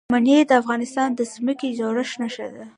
منی د افغانستان د ځمکې د جوړښت نښه ده.